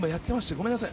ごめんなさい。